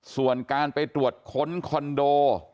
ส่วนการไปตรวจค้นคอนโด